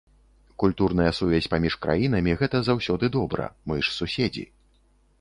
Культурная сувязь паміж краінамі гэта заўсёды добра, мы ж суседзі.